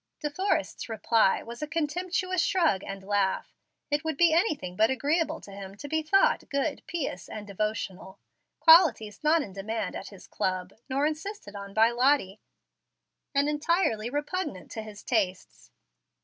De Forrest's reply was a contemptuous shrug and laugh. It would be anything but agreeable to him to be thought "good, pious, and devotional," qualities not in demand at his club, nor insisted on by Lottie, and entirely repugnant to his tastes.